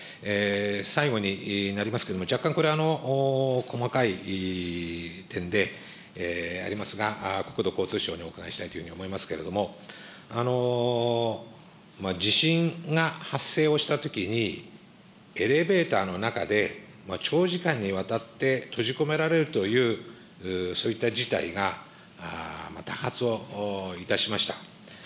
最後になりますけれども、若干これ、細かい点でありますが、国土交通省にお伺いしたいというように思いますけれども、地震が発生をしたときに、エレベーターの中で長時間にわたって閉じ込められるという、そういった事態が多発をいたしました。